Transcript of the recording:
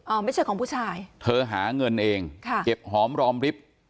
ไม่ใช่ของผู้ชายเธอหาเงินเองค่ะเก็บหอมรอมริฟท์